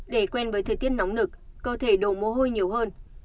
để quen với thời tiết nóng nực cơ thể đổ mồ hôi nhiều hơn